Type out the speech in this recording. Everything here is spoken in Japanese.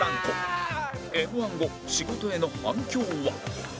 Ｍ−１ 後仕事への反響は？